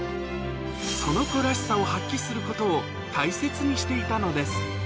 その子らしさを発揮することを大切にしていたのです。